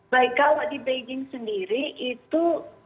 baik kalau di beijing sendiri itu